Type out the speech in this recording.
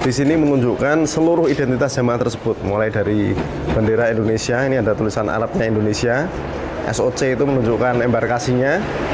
di sini menunjukkan seluruh identitas jemaah tersebut mulai dari bendera indonesia ini ada tulisan arabnya indonesia soc itu menunjukkan embarkasinya